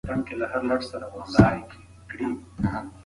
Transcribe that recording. سیلانیان د لرګیو په کارونو حیران پاتې شول.